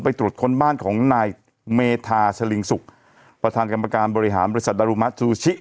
ตรวจค้นบ้านของนายเมธาสลิงสุกประธานกรรมการบริหารบริษัทดารุมะจูชิ